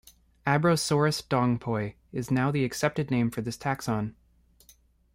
"Abrosaurus dongpoi" is now the accepted name for this taxon.